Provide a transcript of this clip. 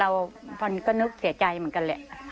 เราก็นึกเสียใจเหมือนกัน